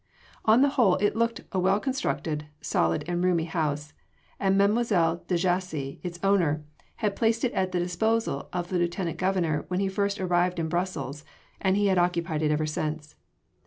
On the whole it looked a well constructed, solid and roomy house, and Mme. de Jassy, its owner, had placed it at the disposal of the Lieutenant Governor when first he arrived in Brussels, and he had occupied it ever since.